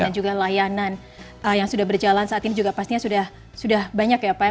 dan juga layanan yang sudah berjalan saat ini juga pastinya sudah banyak ya pak